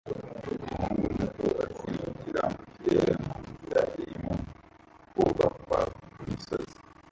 Umuhungu muto asimbukira mu kirere munzira irimo kubakwa ku misozi